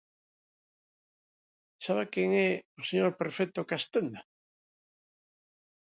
¿Sabe quen é o señor Perfecto Castenda?